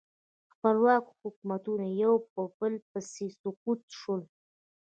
خپلواک حکومتونه یو په بل پسې سقوط شول.